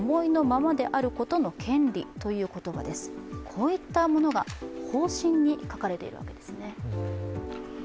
こういったものが方針に書かれているわけですね。